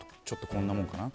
こんなもんかな。